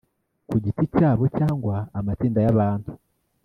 ku giti cyabo cyangwa amatsinda y abantu